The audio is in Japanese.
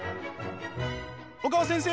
小川先生